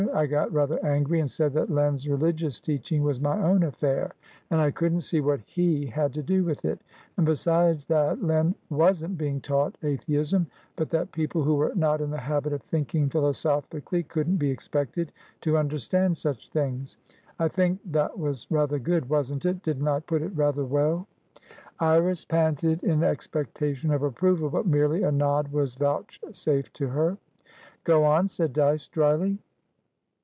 I got rather angry, and said that Len's religious teaching was my own affair, and I couldn't see what he had to do with it; and besides, that Len wasn't being taught atheism, but that people who were not in the habit of thinking philosophically couldn't be expected to understand such things. I think that was rather good, wasn't it? Didn't I put it rather well?" Iris panted in expectation of approval. But merely a nod was vouchsafed to her. "Go on," said Dyce, drily.